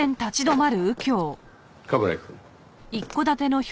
冠城くん。